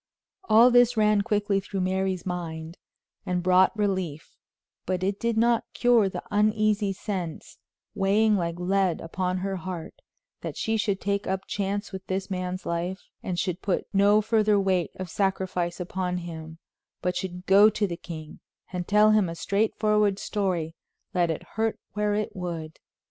All this ran quickly through Mary's mind, and brought relief; but it did not cure the uneasy sense, weighing like lead upon her heart, that she should take up chance with this man's life, and should put no further weight of sacrifice upon him, but should go to the king and tell him a straightforward story, let it hurt where it would.